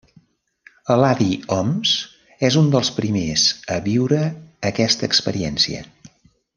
Eladi Homs és un dels primers a viure aquesta experiència.